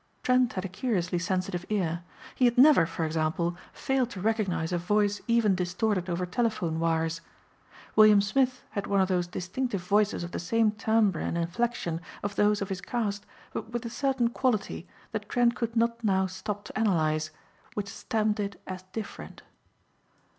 Trent had a curiously sensitive ear. He had never, for example, failed to recognize a voice even distorted over telephone wires. William Smith had one of those distinctive voices of the same timbre and inflection of those of his caste but with a certain quality, that Trent could not now stop to analyze, which stamped it as different.